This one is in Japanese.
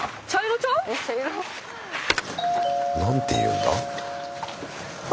何て言うんだ？